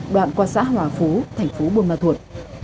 đoạn qua xã hòa phú thành phố buôn ma thuột